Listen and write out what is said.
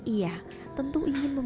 iya tentu ingin membantu